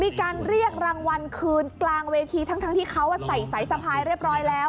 มีการเรียกรางวัลคืนกลางเวทีทั้งที่เขาใส่สายสะพายเรียบร้อยแล้ว